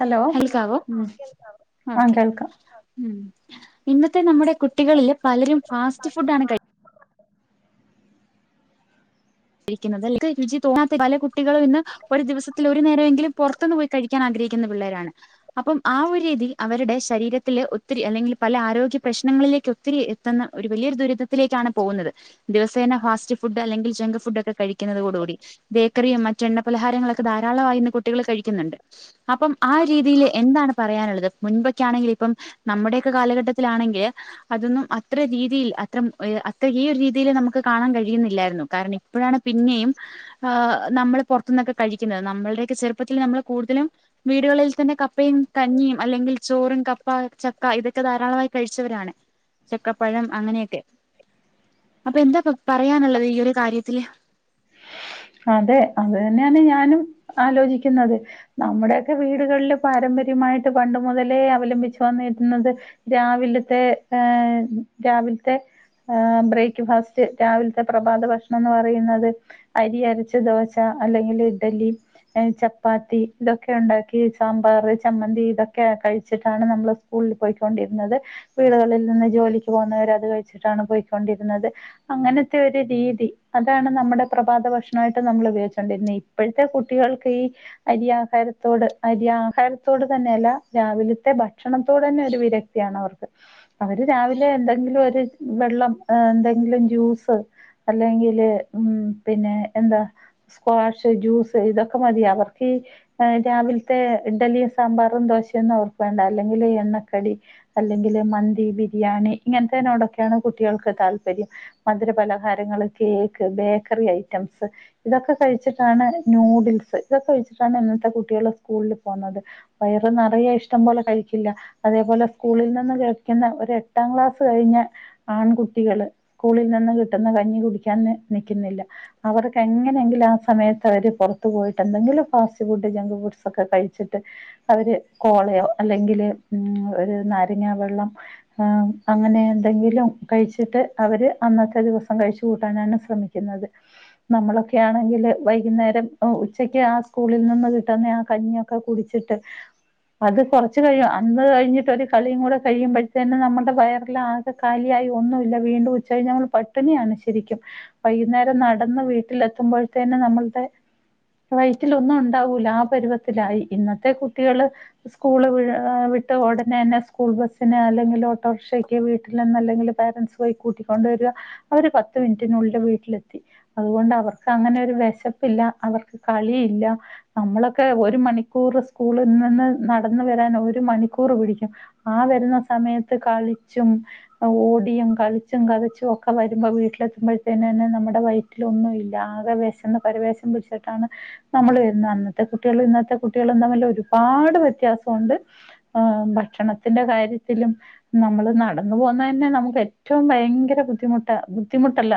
Hello ഹൽക്കാവോ ഉം ആഹ് ഓക്കേ കേൾക്കാം ഇന്നത്തെ നമ്മുടെ കുട്ടികളില് പലരും ഫാസ്റ്റ് ഫുഡാണ് കഴിക്കു [inaudible] രുചി തോന്നാത്ത പല കുട്ടികളും ഇന്ന് ഒരു ദിവസത്തിൽ ഒരു നേരമെങ്കിലും പൊറത്തുന്ന് പോയി കഴിക്കാൻ ആഗ്രഹി ക്കുന്ന പിള്ളേരാണ്. അപ്പം ആ ഒരു രീതിയിൽ അവരുടെ ശരീരത്തില് ഒത്തിരി അല്ലെങ്കിൽ പല ആരോഗ്യ പ്രശ്നങ്ങ ങ്ങളിലേക് ഒത്തിരി എത്തുന്ന ഒരു വലിയൊരു ദുരിതത്തിലേക്കാണ് പോവുന്നത് ദിവസേന ഫാസ്റ്റ് ഫുഡ് അല്ലെങ്കിൽ ജങ്ക് ഫുടൊക്കെ കഴിക്കുന്നതോടുകൂടി ബേക്കറിയും മറ്റെണ്ണ പലഹാരങ്ങളൊക്കെ ധാരാളമായി ഇന്ന് കുട്ടികള് കഴിക്കുന്നുണ്ട് അപ്പം ആ രീതിയില് എന്താണ് പറയാനുള്ളത്? മുൻപൊക്കെയാണെങ്കില് ഇപ്പം നമ്മുടെയൊക്കെ കാലഘട്ടത്തിലാണെങ്കില് അതൊന്നും അത്ര രീതിയിൽ അത്ര അത്ര ഈ ഒരു രീതിയില് നമുക്ക് കാണാൻ കഴിയുന്നില്ലായിരുന്നു കാരണം ഇപ്പോഴാണ് പിന്നെയും നമ്മള് പുറത്തു നിന്നൊക്കെ കഴിക്കുന്നത് നമ്മള്ടെയൊക്കെ ചെറുപ്പത്തിൽ നമ്മള് കൂടുതലും വീടുകളിൽ തന്നെ കപ്പയും കഞ്ഞിയും അല്ലെങ്കിൽ ചോറും കപ്പ ചക്ക ഇതൊക്കെ ധാരാളമായി കഴിച്ചവരാണ് ചക്കപ്പഴം അങ്ങനെയൊക്കെ അപ്പൊ എന്താ പറയാനുള്ളത് ഈ ഒരു കാര്യ ത്തില് അതെ അത് തന്നെയാണ് ഞാനും ആലോചിക്കുന്നത് നമ്മുടെയക്കെ വീടുകളില് പാരമ്പര്യ ട്ട് പണ്ട മുതലേ അവലംബിച്ചച്ച് വന്നിരുന്നത് രാവിലത്തെ രാവിലത്തെ ബ്രേക്ക്ഫാസ്റ്റ് രാവിലത്തെ പ്രഭാത ഭക്ഷണംന്ന് പറയുന്നത് അരി അരച്ച ദോശ അല്ലെങ്കിൽ ഇഡലി ചപ്പാത്തി ഇതൊക്കെ ഉണ്ടാക്കി സാമ്പാർ ചമ്മന്തി ഇതൊക്കെ കഴിച്ചിട്ടാണ് നമ്മ സ്കൂളിൽ പോയിക്കൊണ്ടിരുന്നത് വീടുകളിൽ നിോലക്ക് പോുന്നവരത് കഴിച്ചിട്ടാണ് പോയിക്കൊണ്ടിരുന്നത് അങ്ങനത്തെ ഒരു രീതി അതാണ് നമ്മുടെ പ്രഭാത ഭക്ഷണമായിട്ട് നമ്മൾ ഉപയോഗിച്ചണ്ടിുന്നേ ഇപ്പോഴത്തെ കുട്ടികൾക്ക് ഈ അരിയാഹാരത്തോട് അരി ആഹാരത്തോട് തന്നെ അല്ല രാവിലത്തെ ഭക്ഷണത്തോ തന്നെ ഒരു വിരക്തിാണ് അവർക്ക് അവ അലെ എന്തെങ്കിലും ഒരു വെള്ളം എന്തെങ്കിലും ജ്യൂസ് അല്ലെങ്കില് ഉ പിന്നെ എന്താ സ്ക്വാഷ് ജ്യൂസ് ഇതൊക്കെ മതി അവർക്ക് രാവിലത്തെ ഇഡലിയും സാമ്പാറും ദോശയൊന്നും ഓർക്ക വേണ്ട അല്ലെങ്കില് എണ്ണക്കടി അല്ലെങ്കില് മന്തി ബിരിയാണി ഇങ്ങനോടൊക്കെയാണ് കുട്ടികൾക്ക് താല്പര്യം മധുര പലഹാരങ്ങ കേക്ക്ക്ക് ബേക്കറി ഐറ്റംസ് ഇതൊക്കെ കഴിച്ചിട്ടാണ് നൂഡിൽസ് ഇതൊക്കെ കഴിച്ചിട്ടാണ് ഇന്നത്തെ കുട്ടികളൾ സ്കൂള പോുന്നത് വയറ് നിറയ ഇഷ്ടം പോലെ കഴിക്കില്ല അതേപോലെ സ്കൂളിൽ നിന്ന് കഴിക്കുന്ന എട്ടാം ക്ലാസ്സ് കഴിഞ്ഞ ആൺകുട്ടികള് സ്കൂളിൽ നിന്ന് കിട്ടുന്ന കഞ്ഞി കുടിക്കാൻ അവർക്ക് എങ്ങനെങ്കിലും ആ സമയത്ത് അവര് പുറത്ത പോയിട്ട് എന്തെങ്കിലും ഫാസ് ഫു്ക് ഫുഡ് ക്കെ കഴിച്ചിട്ട് അവര് കോളയോ അല്ലെങ്കില് ഉ ഒരു നാരങ്ങ വെള്ളം അങ്ങനെ എന്തെങ്കിലും കഴിച്ചിട്ട് അവര് അന്നത്തെ ദിവസം കഴിച്ചു കൂട്ടാനാണ് ശ്രമിക്കുന്നത് നമ്മളൊക്കെ ആണെങ്കിൽ വൈകുന്നേരം ഉച്ചക്ക് ആ സ്കൂളിൽ നിന്ന് കിട്ടുന്ന ആ പന്നിയൊക്കെ കുടിച്ചിട്ട് അത് കുറച്ച് കഴിയും അന്ന് കഴിഞ്ഞിട്ട് ഒരു കളിയും കൂടെ കഴിയുമ്പോഴത്തന്നെ നമ്മുടെ വയറില ആകെ കാലി ഒന്നുമില്ല വീണ്ടും ഉച്ച കഴിഞ്ഞ നമ്മൾ പട്ടിണിയാണ് ശരിക്കും വൈകുന്നേരം നടന്ന് വീട്ടിലെത്തുമ്പോഴത്തേന്നെ നമ്മളുടെ വയറ്റില ഒന്നും ഉണ്ടാവൂല ആ പരുവത്തിലായി ഇന്നത്തെ കുട്ടികള് സ്കൂള് വിട്ട് ഉടനെന്നെ സ്കൂൾ ബസ്സിന് അല്ലെങ്കിൽ ഓട്ടോറിക്ഷയ്ക്ക് വീട്ടിൽ നിന്ന് അല്ലെങ്കിൽ പാരൻ്റസ് പോയി കൂട്ടിക്കൊണ്ട് അവ പത്ത് മിനിിനുള്ള വീ അതുകൊണ്ട് അവർക്ക് അങ്ങനൊരു വിശപ്പില്ലാ കളിയില്ലാ നമ്മളൊക്കെ ഒരു മണിക്കൂർ സ്കൂളിൽ നിന്ന് നടന്ന വരാൻ ഒരു മണിക്കൂർ പിടിക്കും ആ വരുന്ന സമയത്ത് കള ഓടിയും കളും ക ഒക്കെ വരു വീട്ടിലെത്തുമ്പോഴത്ത നമ്മുടെ വയറ്റില ഒന്നും ഇല്ല ആകെ വശ പവേഷം പിടിച്ചിട്ടാണ് നമ്മൾ വരുന്നത് അന്നത്തെ കുട്ടികൾ അത്തെ കുട്ടികളും തമ്മല്ല ഒരുപാട് വ്യത്യാസമുണ്ട് ആ ഭക്ഷണത്തിന്റെ കാര്യത്തിലും നമ്മള് നടന്നു പോക തന്നെ നമുക്ക് ഏറ്റവും ഭയങ്കര ബുദ്ധിമുട്ട ബുദ്ധിമുട്ടല്ല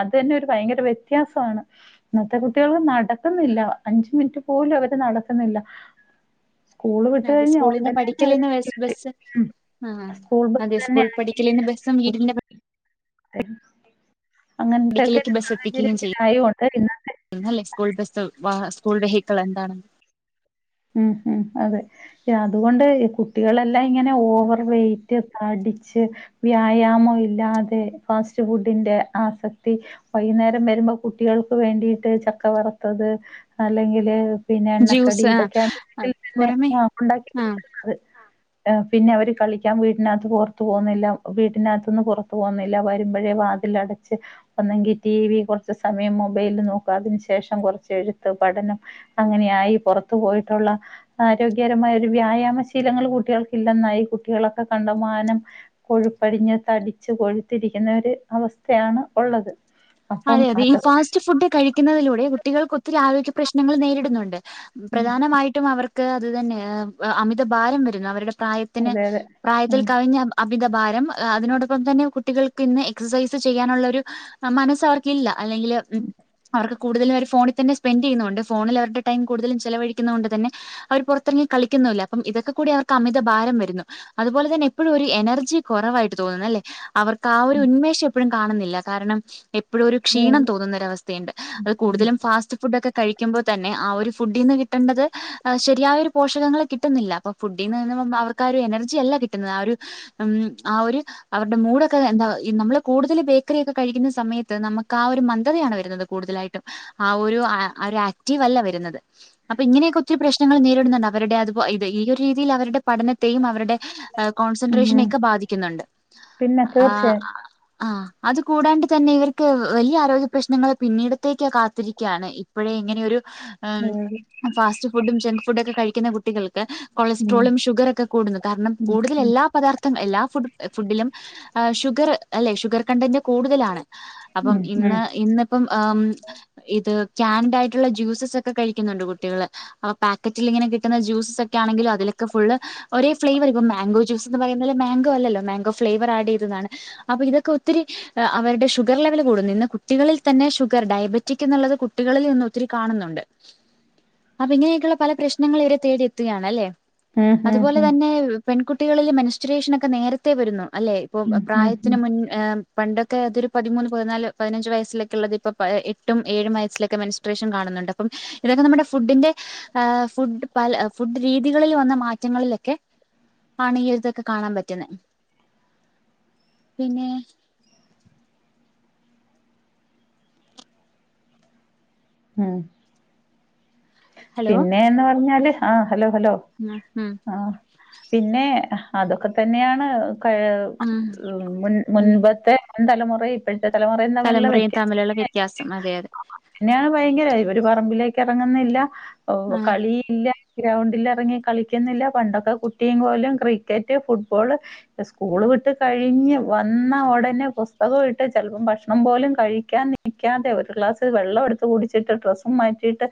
അത് തന്നെ ഒരു ഭയങ്കര വ്യത്യാസമാണ് ഇന്നത്തെ കുട്ടികൾ നടക്കുന്നില്ല അഞ്ച മിനിറ്റ് പോലും നടത്തുന്നില്ല സ്കൂള് വിട്ട അതെ കഴി ഉടനെ തന്നെ അവരെ വീട്ടിലെ ആഹ അതെ സ്കൂൾ പഠിക്കലിന്റെ ബസ്സം വീടിന്റെ അ ഒടുലേക്ക് ബസ് എത്തിക്കുകയും ഇന്നത്തെ ചെയ്യല്ലേ സ്കൂൾ ബസ് സ്കൂളുടെ ഹക്കൾ എന്താാണ് ഉം ഹ അതെ അതുകൊണ്ട് കുട്ടികളെല്ലാം ഇങ്ങനെ ഓവർ വെയറ്റ് അടിച്ച് വ്യായാമം ഇല്ലാതെ ഫാസ്റ്റ് ഫുഡിന്റെ ആസക്തി വൈ നേരം വരുമ്പോ കുട്ടികൾക്ക് വേണ്ടിട്ട് ചക്ക വറുത്തത് അല്ലെങ്കില് പിന്നെ എണ്ണക്കടി ജ്യൂസ് ഇതൊക്കെയാണ് വീട്ടിൽ തന്നെ പുറമെ ആ ഉണ്ടാക്കി ആഹ് കൊടുുന്നത് പിന്നെ അവര് കളിക്കാൻ വീടിനകത്ത് പുറത്തു പോകുന്നില്ല വീടിനകത്തുന്നന്ന് പുറത്തു പോകുന്നില്ല വരുമ്പോഴേ അതിലടച്ച് ഒന്നെങ്കി ടി വി കുറച്ച സമയം മൊബൈല നോക്കുക അതിനു ശേഷം കുറ എഴുത്ത് പ അങ്ങനെയായി പുറത്തു പോയിട്ട് ുള്ള ആരോഗ്യകരമായ ഒരു വ്യായാമ ശീലങ്ങൾ കുട്ടികൾക്ക ഇില്ലെന്നായി കുട്ടികളൊക്കെ കണ്ട വാനം കൊഴുപ്പടിഞ്ഞ് തടിച്ച്ു കൊഴുത്തിരിക്കുന്ന ഒരു അവസ്ഥയാണ് ഉള്ളത് അപ്പം അതെ അതെ ഈ അത് ഫാസ്റ്റ് ഫുഡ് കഴിക്കുന്നതിലൂടെ കുട്ടികൾക്ക് ഒത്തിരി ആരോഗ്യ പ്രശ്നങ്ങൾ നേരിടുന്നുണ്ട് പ്രധാനമായിട്ടും അവർക്ക് അത് തന്നെ അമിതഭാരം വരുന്നു അവരുടെ പ്രായത്തിന് അതെ അതെ പ്രായത്തിൽ ഉം കവിഞ്ഞ അമിതഭാരം അതിനോടൊപ്പം തന്നെ കുട്ടികൾക്ക് ഇന്ന് എക്സസൈസ് ചെയ്യാനുള്ളൊരു മനസ്സ് അവർക്കില്ല അല്ലെങ്കിൽ അവർക്ക് കൂടുതലും വ ഫോിൽന്നെ സ്പെൻഡ് ചെയ്യുന്നുണ്ട് ഫോണിൽ അവരുടെടം കൂടുതലും ചിലവഴിക്കുന്നത് കൊണ്ട് തന്നെ അവർ പുറത്തിറങ്ങി കളിക്ക ഇതൊക്കെ കൂടി അവർക്ക് അമിതഭാരം വരുന്നു അതുപോലെ തന്നെ എപ്പോഴും ഒരു എനർജി കുറവായിട്ട് തോന്നുന്നു അല്ലേ അവർക്ക് ആ ഒരു ഉന്മേഷം എപ്പോഴും കാണുന്നില്ല കാരണം ഇപ്പോഴും ഒരു ക്ഷീണം തോുന്നരവസ്ഥയുണ്ട് അത് കൂടുതലും ഫാസ്റ്റ് ഫുഡ്ൊക്കെ കഴിക്കുമ്പോൾ തന്നെ ആ ഒരു ഫുഡീ നിന്ന് കിട്ടേണ്ടത് ശരിയായൊരു പോഷകങ്ങള്ൾ കിട്ടുന്നില്ല അപ്പൊ ഫുഡ് അവ ഒരു എനർജി അല്ല കിട്ടുന്നത് ആ ഒരു ഉ ആ ഒരു അവരുടെ മൂഡൊക്കെ എന്താ നമ്മള് കൂടുതൽ ബേക്കറി ഒക്ക കഴിക്കുന്ന സമയത്ത് നമുക്ക് ആ ഒരു മന്ദതയാണ് വരുന്നത് കൂടുതലായിട്ടും ആ ഒരു ആ ഒരു ആക്റ്റീവ് അല്ല വരുന്നത് അപ്പൊ ഇങ്ങനെയൊക്കെ ഒത്തിരി പ്രശ്ങ്ങൾ നേരിടുന്നുണ്ട് അവരുടെ അത്പ്പോ ഇത് ഈ ഒരു രീതിൽ അവരുടെ പഠനത്തെയും അവരുടെ ഉം കോൺസെൻട്രേഷനെയ ഉം ഒക്കെ ബാധിക്കുന്നുണ്ട് പിന്നെ ആ തീർച്ചയായും ആ അത് കൂടാണ്ട് തന്നെ ഇവർക്ക് െ വലിയ ആരോഗ്യ പ്ര്രശ്നങ്ങൾ പിന്നീടത്തേക്ക് കാത്തിരിക്കുകയാണ് ഇപ്പോഴേ ഇങ്ങനെൊ ഒരു ഉം ഫാസ്റ്റ് ഫുഡും ജങ്ക് ഫുഡും ഒക്കെ കഴിക്കുന്ന കുട്ടികൾക്ക് ഉം കൊളസ്ട്രോളും ഷുഗറൊക്കെ കൂടുന്നു കാരണം ഉം കൂടുതൽ എല്ലാ പദാർത്ഥം എല്ലാ ഫു് ഫുഡിലും ആ ഷുഗർ അല്ലെ ഷുഗർ കണ്ടന്റ് കൂടുതലാണ് ഉം ഉം ഇന്നിപ്പോ ായിട്ടുള്ള ജ്യൂസ ഒക്കെ കഴിക്കുന്നുണ്ട് കുട്ടികള് അൊ പാക്കറ്റിൽ ഇങ്ങനെ കിട്ടുന്ന ജൂസ് ഒക്കെ ആണെങ്കില അലൊക്കെ ഫു ഒരേ ഫ്ലേവർ, മാങ്ങോ ജ്യൂസ് എന്ന് പറയുന്നത് മാങ്ങോ അല്ലല്ലോ ഫ്ലേവർ ആഡ് ചെയ്തതാണല്ലോ. ജ്യൂസ്ന്ന് അപോ ഇതൊക്ക ഒത്തിരി അവരുടെ ഷുഗറ കൂട ഇന്ന് കുട്ടികളിൽ തന്നെ ഷുഗർ ഡയബറ്റിക് എന്നുള്ളത് കുട്ടികളിൽ നിന്ന ഒത്തിരി കാണുന്നുണ്ട്. അപ്പൊ ഇങ്ങനെയൊക്കെയുള്ള പല പ്രശ്നൾ ഇവരെ തേടിയ എത്തുകയാണ് അല്ലേ ഉം ഉം അതുപോലെ ഉം തന്നെ പെൺകുട്ടികളിലെ മെനിസ്ട്രേഷന ഒക്കെ നേരത്തെേ വരുന്നു അല്ലെ ഇപ്പൊ ഉം ഉം പ്രായത്തിന് ഉം മുൻ് പണ്ടൊക്കെ അതൊരു പതിമൂന്ന് പതിനാല് പതിനഞ്ച് വയസ്സിലൊക്കെള്ളത് ഇപ്പപ്പോ എട്ടും ഏഴും വയസ്സിലൊക്കെ മേനസ്ട്രേഷന് കാണുന്നുണ്ട് അപ്പം ഇതൊക്കെ നമ്മുടെ ഫുഡിന്റെ് ഫുഡ് പല ഫുഡ് രീതികളിൽ വന്ന മാറ്റങ്ങളിലൊക്കെ ആണ് ഈ എഴതൊക്കെ കാണാൻ പറ്റുന്നത് പിന്നെ ഉം ഹലോ പിന്നെന്ന് പറഞ്ഞാല് ആഹ ഹലോ ഹലോ ഉം ഉം ആ പിന്നെ അതൊക്കെ തന്നെയാണ്ൻ ഉം ഉം മുൻപത്തെ തലമുറ ഇപ്പോഴ തലമുറയും തമ്മിലുള്ള തലമുറയും തമ്മിലുള്ള വ്യത്യാസം അതെ അതെ വ്യത്ന്നെയാണ് ഭയങ്കര ഒരു പറമ്പിലേ ഇറങ്ങുന്നില്ല ആ കളി ഇല്ല ഗ്രൗണ്ടിൽിറങ്ങി കളിക്കുന്നില്ല പണ്ടൊക്കെ കുട്ടിയും പോലും ക്രിക്കറ്റ് ഫുട്ബോൾ സ്കൂള് വിട്ട് കഴിഞ്ഞ് വന്ന ഉടനെ പുസ്തകം ഇട്ട് ചിലപ്പോം ഭക്ഷണം പോലും കഴിക്കാൻ നിൽിക്കാതെ ഒരു ക്ലാസ് വെള്ളം എടുത്ത് കുൂടിച്ചിട്ട് ഡ്രസ്സും മാറ്റിയിട്ട്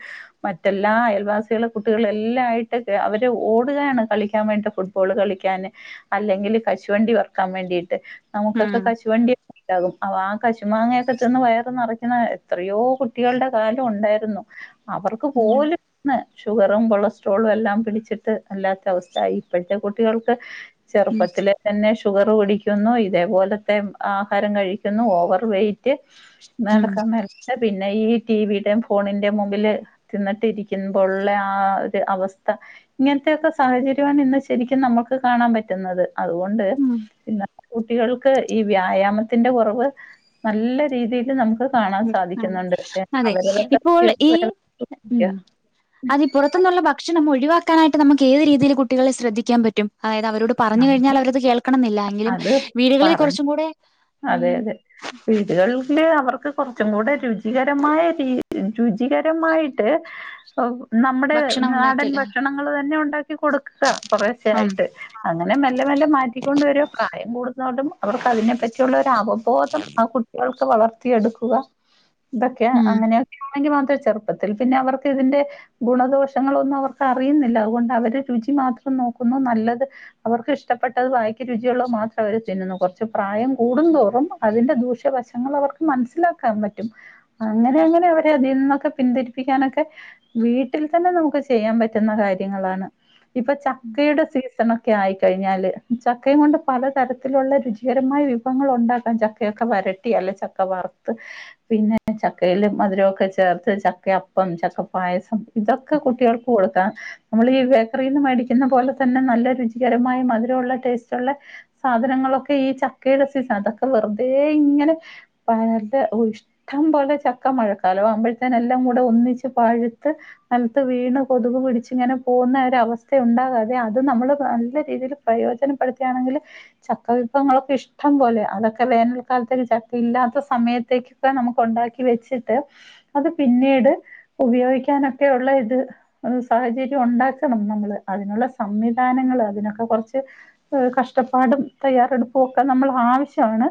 മറ്റെല്ലാ അയൽവാസികള കുട്ടികള എല്ലാംായിയിട്ട് അവര് ഓടുകയാണ് കളിക്കാൻ വേണ്ടിട്ട് ഫുട്ബോൾ കളിക്കാൻ അല്ലെങ്കിൽ കശുവണ്ടി വറുക്കാൻ വേണ്ടിട്ട് ഉം നമക്കൊക്കെ കശുവണ്ടി ഉാകും അൊ ആ കശുമാങ്ങയൊക്കെ തിന്ന് വയർ നിറയ്ക്കുന്ന എത്രയോ കുട്ടികളുടെ കാലം ഉണ്ടായിരുന്നു അവർക്ക് ഉം പോലും ഇന്ന് ഷുഗറും കൊളസ്ട്രോളും എല്ലാം പിടിച്ചിട്ട് അല്ലാത്ത അവസ്ഥയ ഇപ്പോഴത്തെ കുട്ടികൾക്ക് ചെറുപ്പത്തിലെ തന്നെ ഷുഗർ പിടിക്കുന്നു ഇതേപോലത്തെ ആഹാരം കഴിക്കുന്നു ഓവർ വെയിറ്റ് ഉം നടക്കാൻ പിന്നെ ഈ ടിവിയുടെയും ഫോണിന്റെ മുമ്പില് ന്നിട്ട ഇരിക്കുമ്പോള്ള ആ ഒരു അവസ്ഥ ഇങ്ങനത്തെൊക്കെ സാഹചര്യമാണ് ഇന്ന് ശരിക്കും നമ്മൾ ന കാണാൻ പറ്റുന്നത് അതുകൊണ്ട് ഉം പിന്ന കുട്ടികൾക്ക് ഈ വ്യായാമത്തിന്റെ കുറവ് നല്ല രീതിയിൽ നമുക്ക് കാണാൻ ഉം അതെ സാധിക്കുന്നുണ്ട് അതെ അവരുടെ ഇപ്പോൾ ഈ ഉം അത് പുറത്ത നിന്നുള്ള ഭക്ഷണം ഒഴിവാക്കാനായിട്ട് നമുക്ക് ഏത് രീതിയിൽ കുട്ടികളെ ശ്രദ്ധിക്കാൻ പറ്റും പറ്റും അതായത് അവരോട് പറഞ്ഞു കഴിഞ്ഞാൽ അവരത് കേൾക്കണമെന്നില്ല എങ്കിലും അത് വീടുകളിൽ പറഞ്ഞു കുറച്ചും കൂടെ അതെ ഉം അതെ വീടുകളിന്റെ അവർക്ക് കുറച്ചും കൂടെ രുചികരമായ രീതിക്ക് രുചികരമായിട്ട് നമ്മുടെ ഭക്ഷണം നാടൻ ഉണ്ടാക്കിയല്ല ഭക്ഷണങ്ങൾ തന്നെയുണ്ട് കൊടുക്കുക ആ കുറിച്ചയായിട്ട് അങ്ങനെ മെല്ലെ മെല്ലെ മാറ്റിക്കൊണ്ട് വരുക പ്രായം കൂടുന്നതോണ്ടും അവർക്ക് അതിനെപ്പറ്റിയുള്ള ഒരു അവബോധം ആ കുട്ടികൾക്ക് വളർത്തിയെടുക്കുക ഇതൊക്കെ ഉം അങ്ങനെയക്ക മാം ചെറുപ്പത്തിൽ പിന്നെ അവർക്ക് ഇതിന്റെ ഗുണദോഷങ്ങളൊന്നും അവർക്ക് അറിയുന്നില്ല അതുകൊണ്ട് അവർ രുചി മാത്രം നോക്കുന്നു നല്ലത് അവർക്ക് ഇഷ്ടപ്പെട്ടത് വായിക്ക് രുചിയുള്ളത് മാത്രം അവർ തിന്നുന്നു കുറച്ച് പ്രായം കൂടുന്തോറും അതിന്റെ ദൂഷ്യവശങ്ങൾ അവർക്ക് മനസ്സിലാക്കാൻ പറ്റും അങ്ങനെ അങ്ങനെ അവരെ അതിൽ ന്നോക്കെ പിന്തിരിപ്പിക്കാനൊക്കെ വീട്ടിൽ തന്നെ നമുക്ക് ചെയ്യാൻ പറ്റുന്ന കാര്യങ്ങളാണ് ഇപ്പൊ ചക്കയുടെ സീ ഭക്ഷണമൊക്കെ ആയിക്കഴിഞ്ഞാൽ ചക്കയും കൊണ്ട് പലതരത്തിലുള്ള രുചികരമായ വിഭ ഭങ്ങൾ ഉണ്ടാക്കാൻ ചക്കയൊക്കെ വരട്ടി അല്ലെ ചക്ക വറുത്ത് പിന്നെ ചക്കയില് മധുരമൊക്കെ ചെർത്ത ച ചക്കയപ്പം ചക്കപ്പായസം ഇതൊക്കെ കുട്ടികൾക്ക് കൊടുക്കാം നമ്മൾ ഈ ബേക്കറിയിൽ നിന്നും മേടിക്കു എന്ന പോലെ തന്നെ നല്ല രുചികരമായ മധുരമുള്ള ടേസ്റ്റുള്ള സാധനങ്ങളൊക്കെ ഈ ചക്ക ചക്കയുടെ സീസൺ അതൊക്കെ വെറുതെ ഇങ്ങനെ പല ഇഷ്ടം പോലെ ചക്ക മഴക്കാലം മ്പോഴത്തന്നെ എല്ലാം കൂടെ ഒന്നിച്ച് പഴുത്ത് നിലത്ത് വീണ് കൊതുക് പിടിച്ച് ഇങ്ങനെ പോകുന്ന ഒരു അവസ്ഥ അവസ്ഥ ഉണ്ടാകാതെ അത് നമ്മള് നല്ല രീതിയിൽ പ്രയോജനപ്പെടുത്തികയാണെങ്കിൽ ചക്കവിഭവങ്ങളൊക്കെ ഇഷ ഇഷ്ടം പോലെ അതൊക്കെ വേനൽക്കാലത്തൊക്കെ ചക്ക ഇല്ലാത്ത സമയത്തേക്കൊക്കെ നമുക്ക് ഉണ്ടാക്കി വെച്ചിട്ട് അത് പിന്നീട് ഉപയോഗിക്കാനൊക്കെയുള്ള ഇത് സാഹചര്യം ഉണ്ടാക്കണം നമ്മള് അതിനുള്ള സംവിധാനങ്ങൾ അതിനൊക്കെ കുറച്ച് കഷ്ടപ്പാടും തയ്യാറെടുപ്പും അത് നമ്മുടെ ആവശ്യമാണ്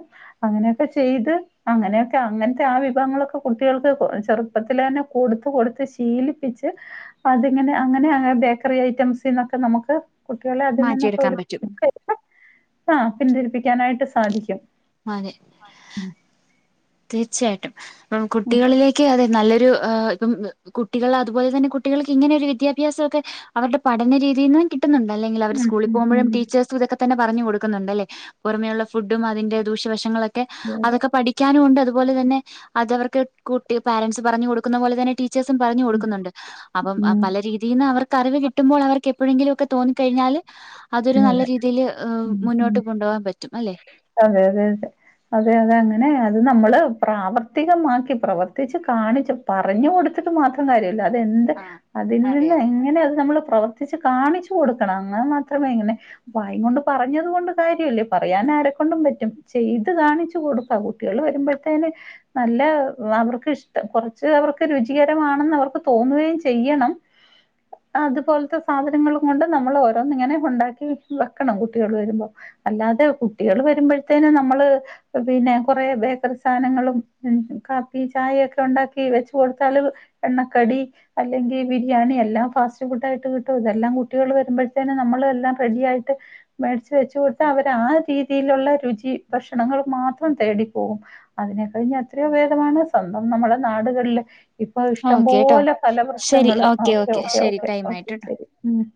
അങ്ങനെയൊക്കെ ചെയ്ത് അങ്ങനെയൊക്കെ അങ്ങനത്തെ ആ വിഭവങ്ങളൊക്കെ കുട്ടികൾക്ക് ചെറുപ്പത്തിലെ തന്നെ കൊടുത്ത് കൊടുത്ത് ശീലിപ്പിച്ച് അതങ്ങനെ അങ്ങനെ അങ്ങനെ ബേക്ക റ്റസിക്കെ നമുക്ക് കുട്ടികളെ അതിൽ നിന്നൊക്കെ മാറ്റിയെടുക്കാൻ ഒരു പറ്റും ആഹ പിന്തിരിപ്പിക്കാനായിട്ട് സാധിക്കും അതെ തീർച്ചയായിട്ടും അപ്പം ഉം. കുട്ടികളിലേക്ക് അതെ നല്ലൊരു ഇപ്പം കുട്ടികൾ അതുപോലെ തന്നെ കുട്ടികൾക്ക് ഇങ്ങനെ ഒരു വിദ്യാഭ്യാസമൊക്കെ അവരുടെ പഠന രീതിയിൽ ന്ന് കി ണ്ട് അല്ലെങ്കിൽ അവർ ഉം. സ്കൂളിൽ ഉം. പോകുമ്പഴും ഉം. ടീച്ചേഴസ് ഇതൊ ഇപ്പൊ തന്നെ പറഞ്ഞു കൊടുക്കുന്നുണ്ട് അല്ലേ പുറമെയുള്ള ഫുഡും അതിന്റെ ദൂഷ്യവശങ്ങളൊക്കെ അതെ അതെ. അതൊക്കെ പഠി മുണ്ട് അതുപോലെ തന്നെ അതവർക്ക് കുട്ടി പേരെന്റ്സ് പറഞ്ഞ് കൊടുക്കുന്ന പോലെ തന്നെ ടീ ടീച്ചേഴ്സും പറഞ്ഞ് കൊടുക്കുന്നുണ്ട് അപ്പം ഉം. പല രീതിയിൽ നിന്ന് അവർക്ക് അറിവ് കിട്ടുമ്പോൾ അവർക്ക് എപ്പോഴെങ്കിലും ഒക്കെ തോന്നിക്കഴിഞ്ഞാൽ അതൊരു നല്ല അതെ. രീതിയിൽ ഉം. ഉം. മുന്നോട്ട് കൊണ്ടുപോകാൻ പറ്റും അല്ലെ അതെ അതെ അതെ അതെ അതെ അങ്ങനെ അത് നമ്മള് പ്രാവർത്തികമാക്കി പ്രവർത്തിച്ച് കാണിച്ച് പറഞ്ഞു കൊടുത്ത് മാത്രം കാര്യല്ലോ അതെന്ത് ആഹ് അതിൽ അതെ നിന്ന് അതെ എങ്ങനെ അത് നമ്മ പ്രവർത്തി കാണിച്ചു കൊടുക്കണം അങ്ങനെ മാത്രമേ ഇങ്ങനെ വായും കൊണ്ട് പറഞ്ഞത് കൊണ്ട് കാര്യമല്ലേ പറയാൻ ആരൊ ണ്ട പറ്റും ചെയ്ത് കാണിച്ചു കൊടുക്ക കുട്ടികൾ വരുമ്പോഴത്തേന് നല്ല അവർക്ക് ഇഷ്ട കൊറച്ച് അവർക്ക് രുചികരമാണെന്ന് അവർക്ക് തോന്നുകയും ചെയ്യണം അതുപോലത്തെ സാധനങ്ങളും കൊണ്ട് നമ്മൾ ഓരോന്നിങ്ങനെ ഉണ്ടാക്കി വെക്കണം കുട്ടികൾ വരുമ്പോ അല്ലാതെ ഉ കുട്ടികൾ വരുമ്പോഴത്തേന നമ്മൾ പിന്നെ കുറെ ബേക്കറി സാധങ്ങളും കാപ്പി ചായ ഉണ്ടാക്കി വച്ചു കൊടുത്താൽ എണ്ണക്കടി അല്ലെങ്കിൽ ബിരിയാണി എല്ലാ ഫാസ്റ്റ്ഫൂഡ് ആയിട്ട് ല്ലാം കുട്ടികൾ വരുമ്പോഴത്തേ നമ്മള എല്ലാം റെഡി ആയിട്ട് മേടിച്ച് വെച്ച് കൊടുത്താൽ അവർ ആ രീ രീതിയിലുള്ള രുചി ഭക്ഷണങ്ങൾ മാത്രം തേടിപ്പോകും അതിനെ കഴിഞ്ഞ് എത്രയോ ഭേദമാണ് സ്വന്തം നമ്മളെ നാടുകളില് ഇപ്പൊ ഇഷ്ടം ഓക്കെ ട്ടോ പോലെ ശരി ഫലവൃഷങ്ങള് ഓക്കെ ഓക്കേ ശരി ഓക്കേ ടൈം ആയിട്ടുണ്ട് ഓക്കെ ശരി ഉ